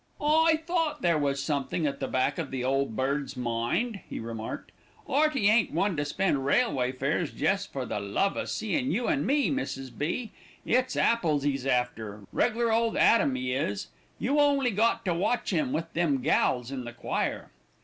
"I thought there was somethink at the back of the old bird's mind," he remarked. "'Earty ain't one to spend railway fares jest for the love o' seein' you an' me, Mrs. B. It's apples 'es after reg'lar old Adam 'e is. You only got to watch 'im with them gals in the choir."